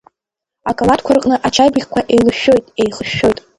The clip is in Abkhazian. Акалаҭқәа рҟны ачаи бӷьқәа еилышәшәоит, еихышәшәоит.